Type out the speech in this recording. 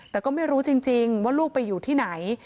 แต่ก็ไม่รู้จริงว่าลูกไปอยู่ที่ไหน